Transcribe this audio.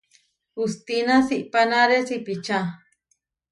Hustína siʼpanáre sipičá.